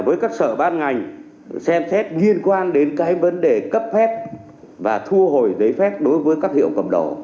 với các sở ban ngành xem xét liên quan đến cái vấn đề cấp phép và thu hồi giấy phép đối với các hiệu cầm đồ